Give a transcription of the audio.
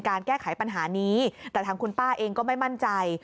แก้ไขปัญหานี้แต่ทางคุณป้าเองก็ไม่มั่นใจ